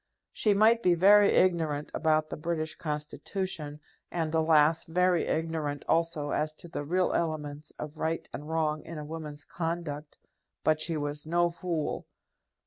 She might be very ignorant about the British Constitution, and, alas! very ignorant also as to the real elements of right and wrong in a woman's conduct, but she was no fool.